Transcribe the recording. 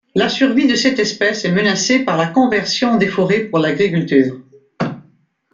La survie de cette espèce est menacée par la conversion des forêts pour l'agriculture.